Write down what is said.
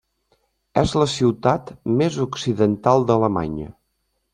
És la ciutat més occidental d'Alemanya.